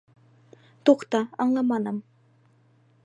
Туҡта, аңламаным!